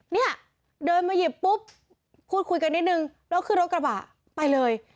เนี่ยเดินมาหยิบปุ๊บพูดคุยกันนิดนึงแล้วขึ้นรถกระบะไปเลย